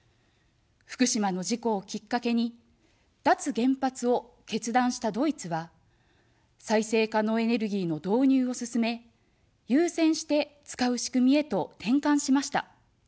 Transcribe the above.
福島の事故をきっかけに、脱原発を決断したドイツは、再生可能エネルギーの導入を進め、優先して使う仕組みへと転換しました。